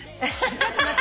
ちょっと待って。